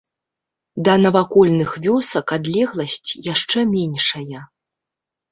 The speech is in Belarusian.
Да навакольных вёсак адлегласць яшчэ меншая.